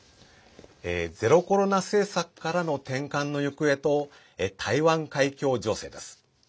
ゼロコロナ政策からの転換の行方と台湾海峡情勢です。